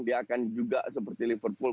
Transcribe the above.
dia akan juga seperti liverpool